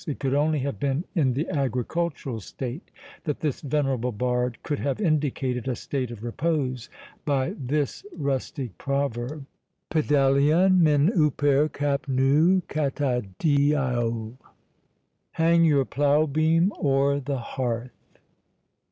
It could only have been in the agricultural state that this venerable bard could have indicated a state of repose by this rustic proverb: [Greek: Pêdalion men uper kapnou katadeio] Hang your plough beam o'er the hearth!